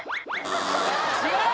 違う！